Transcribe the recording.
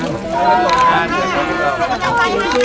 ขอบคุณมากขอบคุณค่ะ